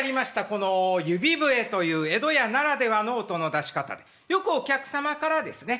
この指笛という江戸家ならではの音の出し方でよくお客様からですね